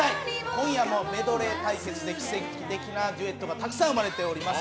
今夜もメドレー対決で奇跡的なデュエットがたくさん生まれております。